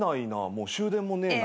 もう終電もねえな。